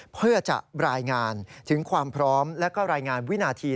เพื่อจะรายงานถึงความพร้อมและก็รายงานวินาที